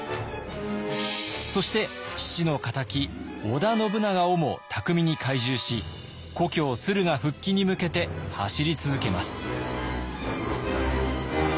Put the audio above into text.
そして父の仇織田信長をも巧みに懐柔し故郷駿河復帰に向けて走り続けます。